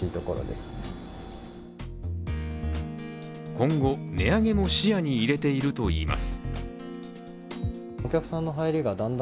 今後、値上げも視野に入れているといいます。